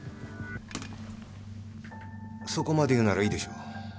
そこまで言うならいいでしょう。